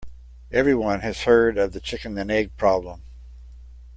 Everyone has heard of the chicken and egg problem.